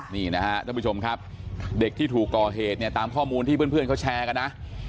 นี่นะฮะท่านผู้ชมครับเด็กที่ถูกก่อเหตุเนี่ยตามข้อมูลที่เพื่อนเขาแชร์กันนะ